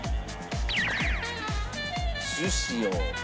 樹脂を。